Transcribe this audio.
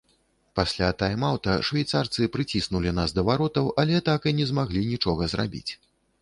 Пасля тайм-аўта швейцарцы прыціснулі нас да варотаў, але так і не змаглі нічога зрабіць.